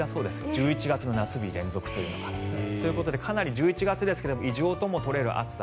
１１月の夏日連続というのが。ということでかなり１１月ですが異常とも取れる暑さ。